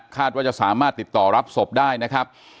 คาดว่าจะสามารถติดต่อรับศพได้นะครับ